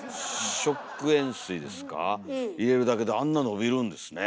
食塩水ですか入れるだけであんな伸びるんですね。